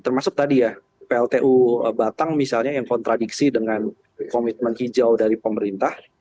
termasuk tadi ya pltu batang misalnya yang kontradiksi dengan komitmen hijau dari pemerintah